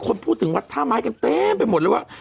คนพูดถึงวัดท่าไม้กันเต็มไปหมดเลยว่า